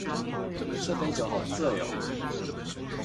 這杯酒好醉喔